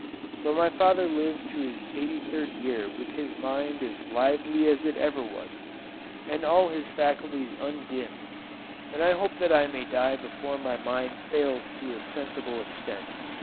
But my father lived to his eighty third year with his mind as lively as ever it was, and all his faculties undimmed; and I hope that I may die before my mind fails to a sensible extent.